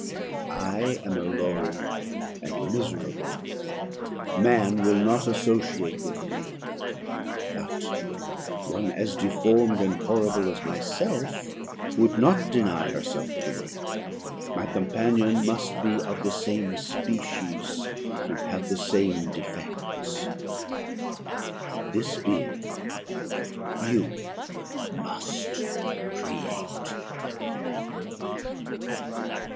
I am alone, and miserable; man will not associate with me; but one as deformed and horrible as myself would not deny herself to me. My companion must be of the same species, and have the same defects. This being you must create."